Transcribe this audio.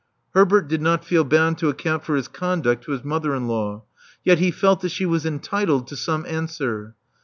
Herbert did not feel bound to account for his con duct to his mother in law: yet he felt that she was entitled to some answer.